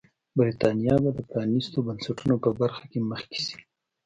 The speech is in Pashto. برېټانیا به د پرانیستو بنسټونو په برخه کې مخکې شي.